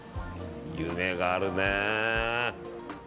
夢があるね。